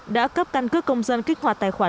đã cấp căn cước công dân kích hoạt tài khoản